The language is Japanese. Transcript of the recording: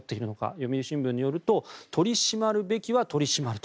読売新聞によると取り締まるべきは取り締まると。